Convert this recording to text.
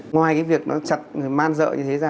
ngoài việc nó chặt man dợ như thế ra